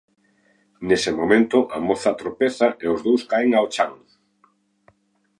Nese momento a moza tropeza e os dous caen ao chan.